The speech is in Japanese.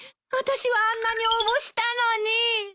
あたしはあんなに応募したのに！